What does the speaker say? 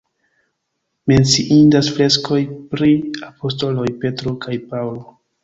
Menciindas freskoj pri apostoloj Petro kaj Paŭlo.